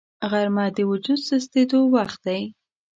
غرمه د وجود سستېدو وخت دی